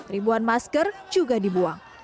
ribuan masker juga dibuang